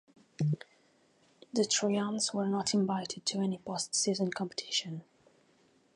The Trojans were not invited to any postseason competition.